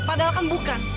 padahal kan bukan